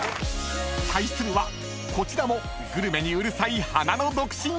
［対するはこちらもグルメにうるさい］